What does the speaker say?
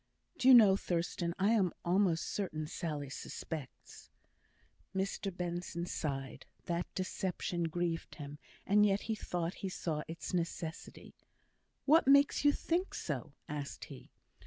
"Do you know, Thurstan, I am almost certain Sally suspects." Mr Benson sighed. The deception grieved him, and yet he thought he saw its necessity. "What makes you think so?" asked he.